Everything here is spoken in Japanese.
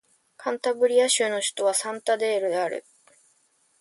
カンタブリア州の州都はサンタンデールである